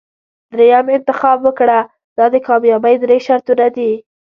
دریم انتخاب وکړه دا د کامیابۍ درې شرطونه دي.